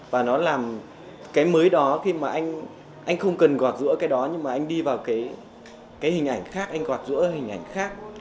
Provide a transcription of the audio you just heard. và nó làm cái mới đó khi mà anh không cần quạt rũa cái đó nhưng mà anh đi vào cái hình ảnh khác anh quạt rũa hình ảnh khác